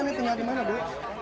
tempat tinggal dimana ibu